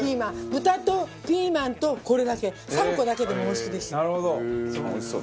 豚とピーマンとこれだけ３個だけでもおいしくできちゃう。